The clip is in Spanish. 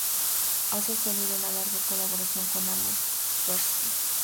Ha sostenido una larga colaboración con Amos Tversky.